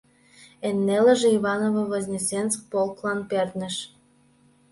Эн нелыже Иваново-Вознесенск полклан перныш.